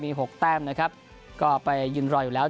หกแต้มนะครับก็ไปยืนรออยู่แล้ว